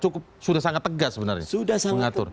itu sudah sangat tegas sebenarnya